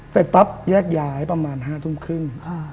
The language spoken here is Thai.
เสร็จปั๊บแยกย้ายประมาณ๕ทุ่มครึ่ง